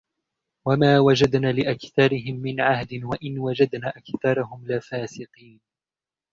وَمَا وَجَدْنَا لِأَكْثَرِهِمْ مِنْ عَهْدٍ وَإِنْ وَجَدْنَا أَكْثَرَهُمْ لَفَاسِقِينَ